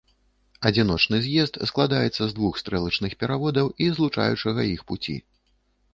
Адзіночны з'езд складаецца з двух стрэлачных пераводаў і злучаючага іх пуці.